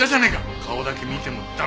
顔だけ見ても駄目だ。